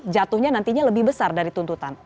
jatuhnya nantinya lebih besar dari tuntutan